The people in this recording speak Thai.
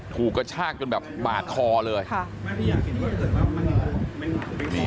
ถูกกระชากจนแบบบาดคอเลย